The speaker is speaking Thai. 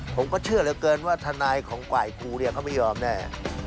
ผมก็เชื่อเหลือเกินว่าทนายของฝ่ายครูเนี่ยเขาไม่ยอมแน่